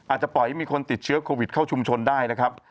อาจจะปล่อยให้มีคนติดเชื้อโควิดเข้าชุมชนได้นะครับ